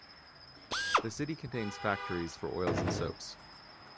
The City contains factory for oils and soaps.